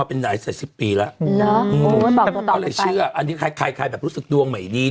โอ้เพราะเขาทำมาหลายสิบปี